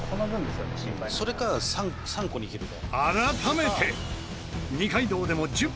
「それか３個に切るか」